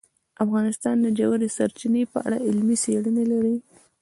افغانستان د ژورې سرچینې په اړه علمي څېړنې لري.